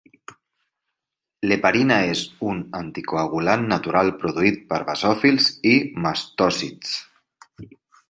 L'heparina és un anticoagulant natural produït per basòfils i mastòcits.